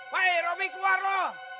weh robi keluar lo